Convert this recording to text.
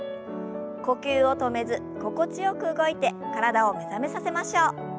呼吸を止めず心地よく動いて体を目覚めさせましょう。